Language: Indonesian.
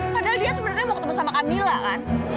padahal dia sebenarnya mau ketemu sama camilla kan